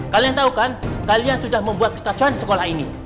kalian tahu kan kalian sudah membuat kekecohan sekolah ini